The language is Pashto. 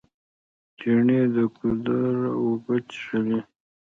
چڼې د ګودر اوبه څښلې.